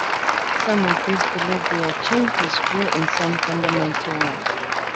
Some of these believed he had changed his view in some fundamental way.